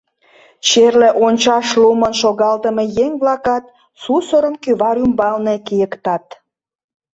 Черле ончаш лумын шогалтыме еҥ-влакат сусырым кӱвар ӱмбалне кийыктат...